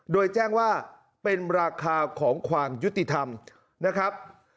โดยแจ้งว่าเป็นราคาของความยุติธรรมนะครับ